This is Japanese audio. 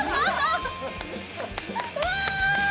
うわ！